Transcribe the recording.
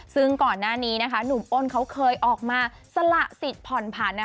ซึ่งก่อนหน้านี้นะคะหนุ่มอ้นเขาเคยออกมาสละสิทธิ์ผ่อนผัน